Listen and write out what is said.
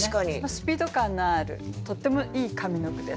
スピード感のあるとってもいい上の句です。